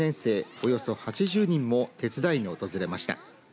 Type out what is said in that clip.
およそ８０人も手伝いに訪れました。